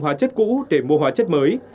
hóa chất cũ để mua hóa chất mới